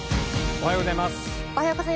おはようございます。